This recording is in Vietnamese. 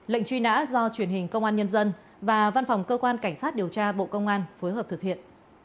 lệnh truy nã do truyền hình công an nhân dân và văn phòng cơ quan cảnh sát điều tra bộ công an phối hợp thực hiện